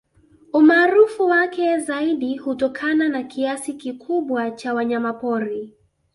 Umaarufu wake zaidi hutokana na kiasi kikubwa cha wanyamapori